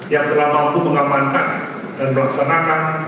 yang telah mampu mengamankan dan melaksanakan